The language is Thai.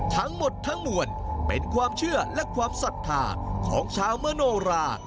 ทั้งหมดทั้งมวลเป็นความเชื่อและความศรัทธาของชาวมโนรา